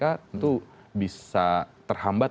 itu bisa terhambat